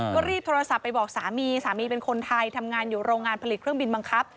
ก็รีบโทรศัพท์ไปบอกสามีสามีเป็นคนไทยทำงานอยู่โรงงานผลิตเครื่องบินบังคับ